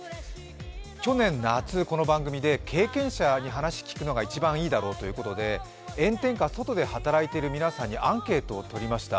去年夏、この番組で経験者に話を聞くのが一番いいだろうということで炎天下、外で働いている方々にアンケートをとりました。